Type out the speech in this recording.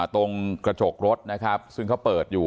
ตรงกระจกรถนะครับซึ่งเขาเปิดอยู่